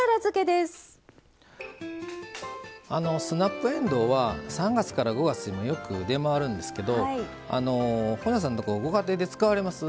スナップえんどうは３月から５月によく出回るんですけど本上さんとこご家庭で使われます？